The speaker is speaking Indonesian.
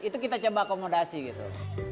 itu kita coba akomodasi gitu